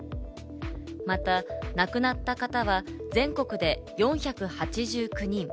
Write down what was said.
また、亡くなった方は全国で４８９人。